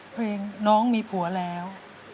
เพลงน้องมีผัวแล้ว